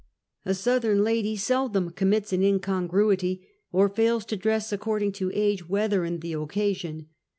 A Southern lady sel dom commits an incongruity, or fails to dress accord ing to age, weather, and the occasion.